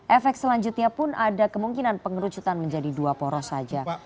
efek selanjutnya pun ada kemungkinan pengerucutan menjadi dua poros saja